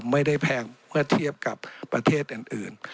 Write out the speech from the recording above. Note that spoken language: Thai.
แพงเมื่อเทียบกับประเทศอื่น